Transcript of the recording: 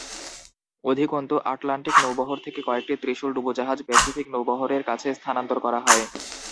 অধিকন্তু, আটলান্টিক নৌবহর থেকে কয়েকটি ত্রিশূল ডুবোজাহাজ প্যাসিফিক নৌবহরের কাছে স্থানান্তর করা হয়।